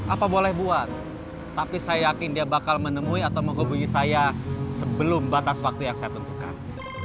apa boleh buat tapi saya yakin dia bakal menemui atau menghubungi saya sebelum batas waktu yang saya tentukan